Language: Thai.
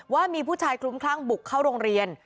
ว่ามีผู้ชายคลุ้มคลั่งบุกเข้าโรงเรียน